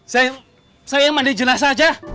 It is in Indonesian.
saya saya yang mandiin jenazah aja